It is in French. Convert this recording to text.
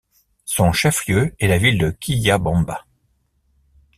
Son chef-lieu est la ville de Quillabamba.